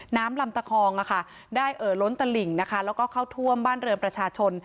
น้ำลำตะคองได้เอ่อล้นตลิ่งนะคะแล้วก็เข้าท่วมบ้านเรือนประชาชน